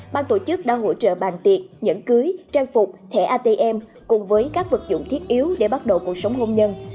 ban tổ chức đã hỗ trợ bàn tiệc nhẫn cưới trang phục thẻ atm cùng với các vật dụng thiết yếu để bắt đầu cuộc sống hôn nhân